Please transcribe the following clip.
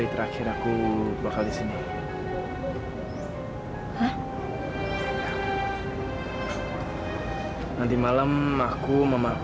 sampai jumpa di video selanjutnya